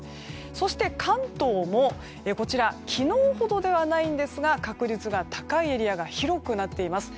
そして関東も昨日ほどではないんですが確率が高いエリアが広くなっています。